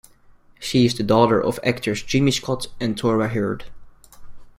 She is the daughter of actors Jimmy Scott and Thora Hird.